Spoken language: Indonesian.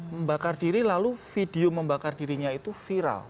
membakar diri lalu video membakar dirinya itu viral